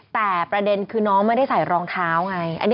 แต่ประเด็นคือน้องไม่ได้ใส่รองเท้าไง